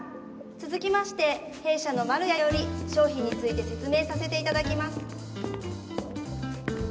続きまして弊社の丸谷より商品について説明させて頂きます。